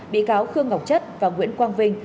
bị cáo khương ngọc chất và nguyễn quang vinh